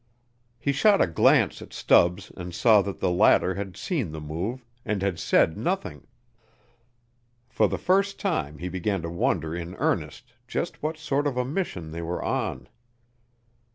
He shot a glance at Stubbs and saw that the latter had seen the move, and had said nothing. For the first time he began to wonder in earnest just what sort of a mission they were on.